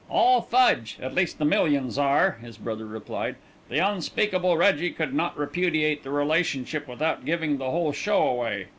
"All fudge, at least the millions are," his brother replied. "The unspeakable Reggie could not repudiate the relationship without giving the whole show away.